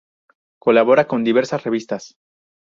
Colabora con diversas revistas.